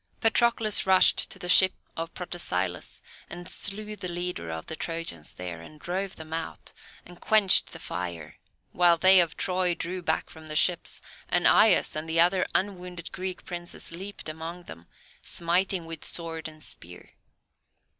Patroclus rushed to the ship of Protesilaus, and slew the leader of the Trojans there, and drove them out, and quenched the fire; while they of Troy drew back from the ships, and Aias and the other unwounded Greek princes leaped among them, smiting with sword and spear.